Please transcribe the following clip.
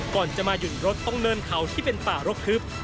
ก่อนจะมาหยุดรถตรงเนินเขาที่เป็นป่ารกทึบ